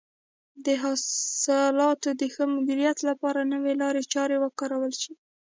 د حاصلاتو د ښه مدیریت لپاره نوې لارې چارې وکارول شي.